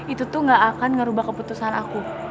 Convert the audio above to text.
itu tuh gak akan ngerubah keputusan aku